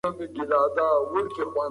سعید ته د ښوونځي ملګرو د مېلې بلنه ورکړه.